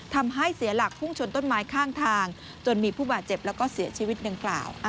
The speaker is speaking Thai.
ทำให้เสียหลักภูมิชนต้นไม้ข้างทางจนมีผู้บาดเจ็บและเสียชีวิตหนึ่งข่าว